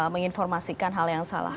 menginformasikan hal yang salah